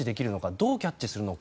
どうキャッチするのか。